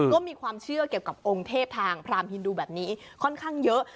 ก็มีความเชื่อเกี่ยวกับองค์เทพทางพรามฮินดูแบบนี้ค่อนข้างเยอะ